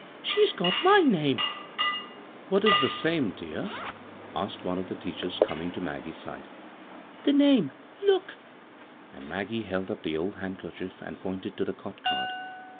" She's got my name 1 "" What is the same, dear ?" asked one of the teachers, coming to Maggie's side. " The name — look !" And Maggie held up the old handkerchief and pointed to the cot card.